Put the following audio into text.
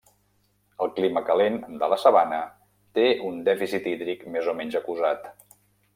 El clima calent de la sabana té un dèficit hídric més o menys acusat.